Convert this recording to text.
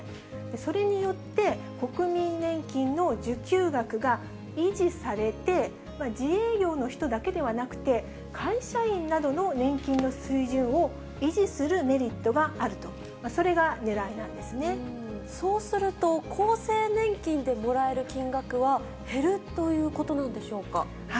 それによって、国民年金の受給額が維持されて、自営業の人だけではなくて、会社員などの年金の水準を維持するメリットがあると、それがねらそうすると、厚生年金でもらえる金額は減るということなんでしょうか。